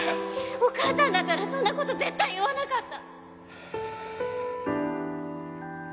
お母さんだったらそんなこと絶対言わなかった